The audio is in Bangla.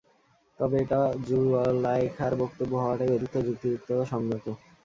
তবে এটা যুলায়খার বক্তব্য হওয়াটাই অধিকতর যুক্তিযুক্ত ও সঙ্গত।